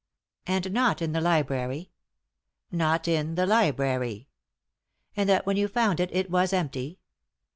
"And not in the library?" "Not in the library." "And that when you found it it was empty